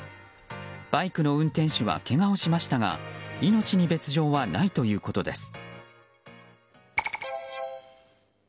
バイクの運転手はけがをしましたが命に別条はないということです。